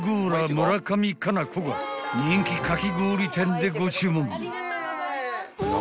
村上佳菜子が人気かき氷店でご注文］